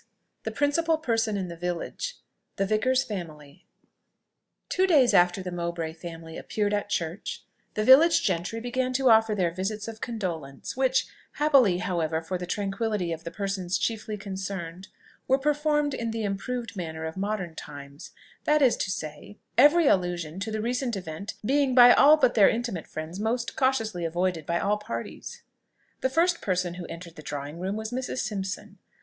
THE PRINCIPAL PERSON IN THE VILLAGE. THE VICAR'S FAMILY. Two days after the Mowbray family appeared at church, the village gentry began to offer their visits of condolence, which, happily however for the tranquillity of the persons chiefly concerned, were performed in the improved manner of modern times; that is to say, every allusion to the recent event being by all but their intimate friends most cautiously avoided by all parties. The first person who entered the drawing room was Mrs. Simpson.